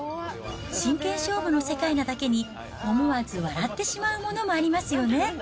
真剣勝負の世界なだけに、思わず笑ってしまうものもありますよね。